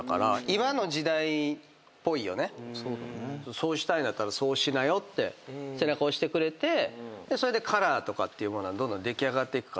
そうしたいんだったらそうしなよって背中押してくれてそれでカラーとかっていうものはどんどん出来上がっていくから。